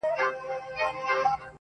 لويه گناه_